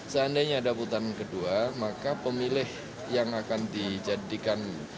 seandainya ada putaran kedua maka pemilih yang akan dijadikan